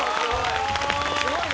すごい！